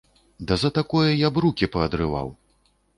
Да за такое я б рукі паадрываў!